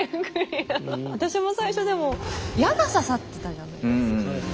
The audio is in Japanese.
私も最初でも矢が刺さってたじゃないですか。